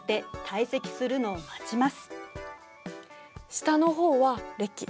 下の方はれき。